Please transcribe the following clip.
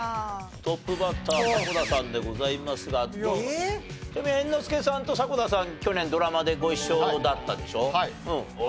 トップバッター迫田さんでございますが猿之助さんと迫田さん去年ドラマでご一緒だったでしょ？